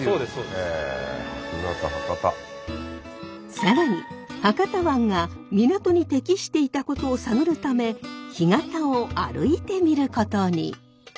更に博多湾が港に適していたことを探るため干潟を歩いてみることに。